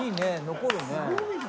残るね。